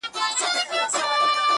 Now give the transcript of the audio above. د فصل خوار يم، د اصل خوار نه يم.